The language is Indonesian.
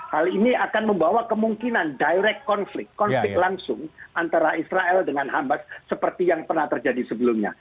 hal ini akan membawa kemungkinan direct konflik langsung antara israel dengan hambas seperti yang pernah terjadi sebelumnya